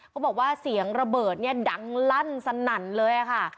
เขาบอกว่าเสียงระเบิดเนี่ยดังลั่นสนั่นเลยค่ะ